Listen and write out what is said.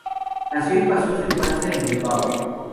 Nació y pasó su infancia en Bilbao.